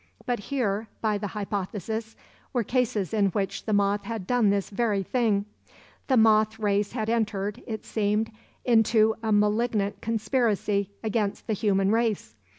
But here, by the hypothesis, were cases in which the moth had done this very thing; the moth race had entered, it seemed, into a malignant conspiracy against the human race.